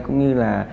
cũng như là